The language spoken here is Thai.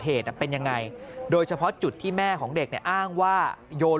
เหตุเป็นยังไงโดยเฉพาะจุดที่แม่ของเด็กเนี่ยอ้างว่าโยน